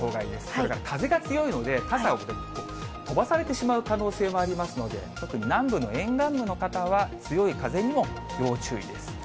それから風が強いので、傘を飛ばされてしまう可能性がありますので、特に南部の沿岸部の方は、強い風にも要注意です。